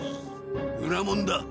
裏門だ！